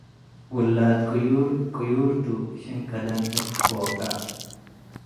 ወላድ ቅዩር፣ ቅዩር ቱ፡ ሽን ከደን እት ፎከ።